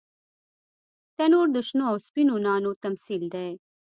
تنور د شنو او سپینو نانو تمثیل دی